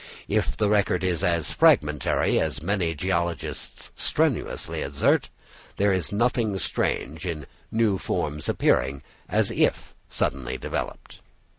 If the record is as fragmentary as many geologists strenuously assert, there is nothing strange in new forms appearing as if suddenly developed.